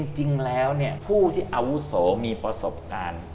จริงแล้วผู้ที่อาวุโสมีประสบการณ์